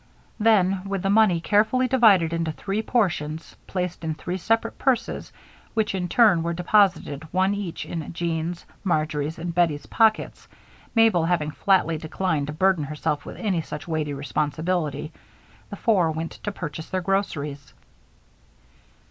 Then, with the money carefully divided into three portions, placed in three separate purses, which in turn were deposited one each in Jean's, Marjory's, and Bettie's pockets, Mabel having flatly declined to burden herself with any such weighty responsibility, the four went to purchase their groceries.